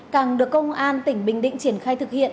càng được công an tỉnh bình định triển khai thực hiện